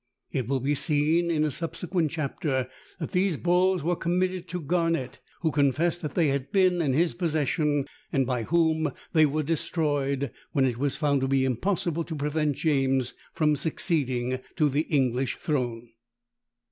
It will be seen, in a subsequent chapter, that these bulls were committed to Garnet, who confessed that they had been in his possession, and by whom they were destroyed when it was found to be impossible to prevent James from succeeding to the English throne.